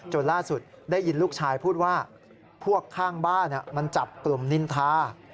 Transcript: ล่าสุดได้ยินลูกชายพูดว่าพวกข้างบ้านมันจับกลุ่มนินทา